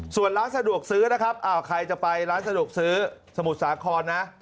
ส่วนร้านสะดวกซื้อนะครับใครจะไปร้านสะดวกซื้อสมุทรสาครนะ